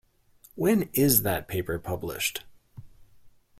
When is that paper published?